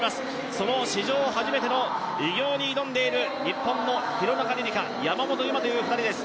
その史上初めての偉業に挑んでいる日本の廣中璃梨佳、山本有真という２人です。